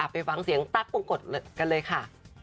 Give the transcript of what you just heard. ไปฟังเสียงตั๊กปงกฎกันเลยค่ะ